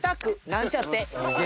なんちゃって！